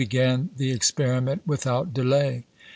began the experiment without delay.